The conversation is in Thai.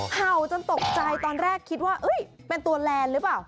เห่าจนตกใจตอนแรกคิดว่าเป็นตัวแลนด์หรือเปล่า